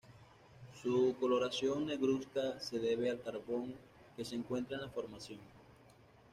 Su coloración negruzca se debe al carbón que se encuentra en la formación.